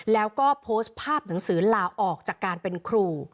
แล้วก็โพสต์ภาพหนังสือลาออกจากการเป็นครู